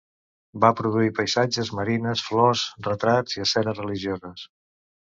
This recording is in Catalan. Va produir paisatges, marines, flors, retrats i escenes religioses.